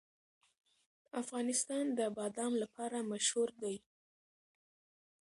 افغانستان د بادام لپاره مشهور دی.